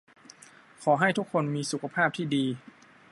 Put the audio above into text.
ขอให้ทุกคนมีสุขภาพที่ดี